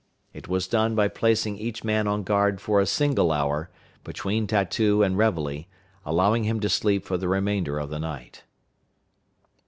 It was done by placing each man on guard for a single hour, between tattoo and reveille, allowing him to sleep for the remainder of the night.